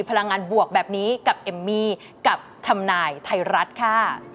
พลังงานบวกแบบนี้กับเอมมี่กับทำนายไทยรัฐค่ะ